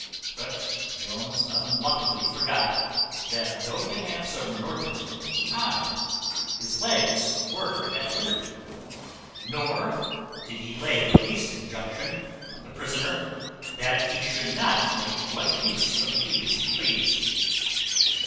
But Jones unluckily forgot, that though the hands of Northerton were tied, his legs were at liberty; nor did he lay the least injunction on the prisoner that he should not make what use of these he pleased.